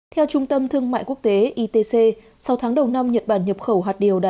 theo trung tâm thương mại quốc tế itc sau tháng đầu năm nhật bản nhập khẩu hạt điều đạt ba mươi ba một mươi một